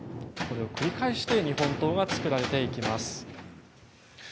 これを繰り返して日本刀が作られていきます。